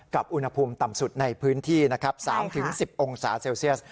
อุณหภูมิต่ำสุดในพื้นที่นะครับ๓๑๐องศาเซลเซียส